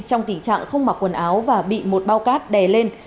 trong tình trạng không mặc quần áo và bị một bao cát đè lên